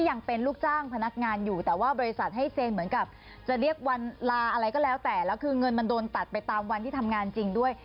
มันลาอะไรก็แล้วแต่แล้วคือเงินมันโดนตัดไปตามวันที่ทำงานจริงด้วย